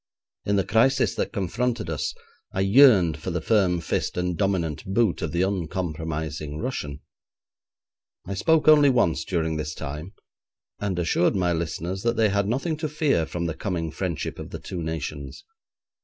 In the crisis that confronted us, I yearned for the firm fist and dominant boot of the uncompromising Russian. I spoke only once during this time, and assured my listeners that they had nothing to fear from the coming friendship of the two nations.